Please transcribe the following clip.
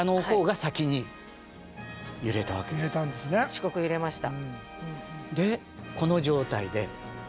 四国揺れました。